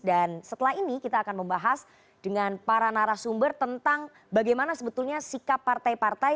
dan setelah ini kita akan membahas dengan para narasumber tentang bagaimana sebetulnya sikap partai partai